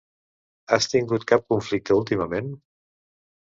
Has tingut cap conflicte, últimament?